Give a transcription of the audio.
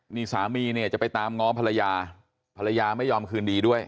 นี่สามีเนี่ยจะไปตามง้อภรรยาภรรยาไม่ยอมคืนดีด้วย